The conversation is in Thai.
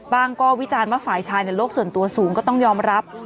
ก็วิจารณ์ว่าฝ่ายชายในโลกส่วนตัวสูงก็ต้องยอมรับ